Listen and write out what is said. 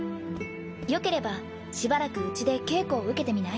よければしばらくうちで稽古を受けてみない？